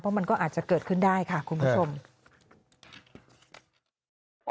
เพราะมันก็อาจจะเกิดขึ้นได้ค่ะคุณผู้ชม